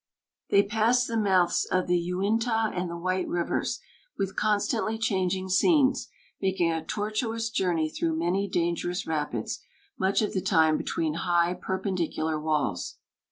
They pass the mouths of the Uintah and the White Rivers, with constantly changing scenes, making a tortuous journey through many dangerous rapids, much of the time between high, perpendicular walls.